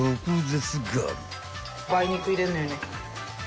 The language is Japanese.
梅肉入れんのよね。